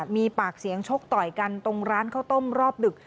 มีปากเสียงชกต่อยกันตรงร้านข้าวต้มรอบดึก